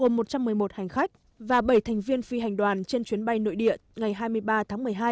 gồm một trăm một mươi một hành khách và bảy thành viên phi hành đoàn trên chuyến bay nội địa ngày hai mươi ba tháng một mươi hai